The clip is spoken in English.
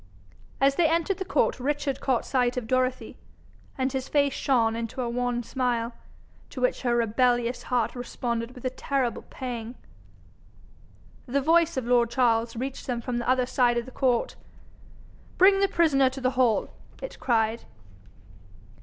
As they entered the court, Richard caught sight of Dorothy, and his face shone into a wan smile, to which her rebellious heart responded with a terrible pang. The voice of lord Charles reached them from the other side of the court. 'Bring the prisoner to the hall,' it cried.